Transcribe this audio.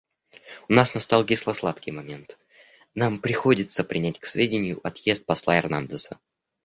У нас настал кисло-сладкий момент: нам приходится принять к сведению отъезд посла Эрнандеса.